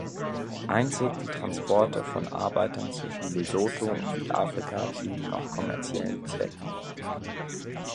Einzig die Transporte von Arbeitern zwischen Lesotho und Südafrika dienen noch kommerziellen Zwecken.